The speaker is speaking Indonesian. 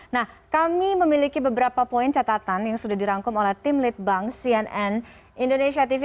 nah kami memiliki beberapa poin catatan yang sudah dirangkum oleh tim litbang cnn indonesia tv